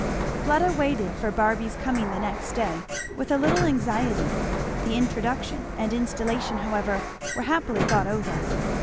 Fleda waited for Barby's coming the next day with a little anxiety. The introduction and installation however were happily got over.